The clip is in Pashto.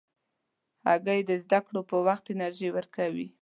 هګۍ د زده کړو پر وخت انرژي ورکوي.